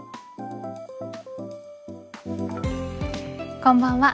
こんばんは。